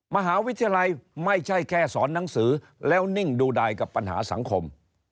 มหาวิทยาลัยไม่ใช่แค่สอนหนังสือแล้วนิ่งดูดายกับปัญหาสังคม